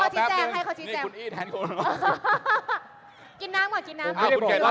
ให้เขาชีแจง